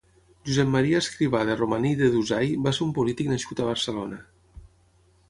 Josep Maria Escrivà de Romaní i de Dusai va ser un polític nascut a Barcelona.